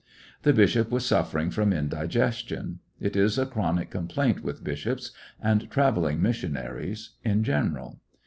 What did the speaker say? The bishop was suffering from indigestion. It is a chronic complaint with bishops and traTelling mis sionaries in general.